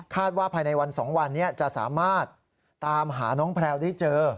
ว่าภายในวัน๒วันนี้จะสามารถตามหาน้องแพลวได้เจอ